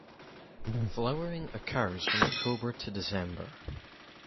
Flowering occurs from October to December.